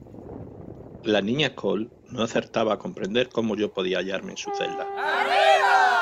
la Niña Chole no acertaba a comprender cómo yo podía hallarme en su celda,